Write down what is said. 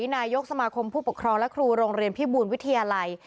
นายกสมาคมผู้ปกครองและครูโรงเรียนพิบูลวิทยาลัย